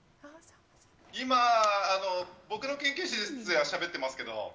今、僕の研究室ではしゃべってますけど。